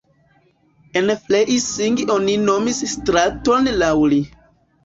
En Freising oni nomis straton laŭ li.